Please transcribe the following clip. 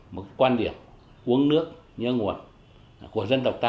một quan điểm uống nước nhớ nguồn của dân tộc ta